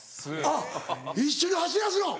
あっ一緒に走らすの！